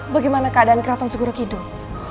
bagaimana keadaan keraton segura kidung